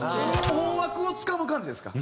大枠をつかむ感じですか？